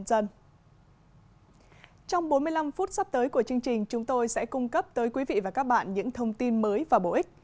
trong phần tiếp tới của chương trình chúng tôi sẽ cung cấp tới quý vị và các bạn những thông tin mới và bổ ích